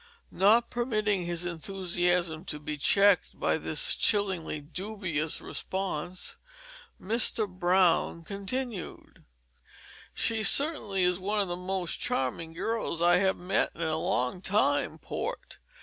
Not permitting his enthusiasm to be checked by this chillingly dubious response, Mr. Brown continued: "She certainly is one of the most charming girls I have met in a long time, Port.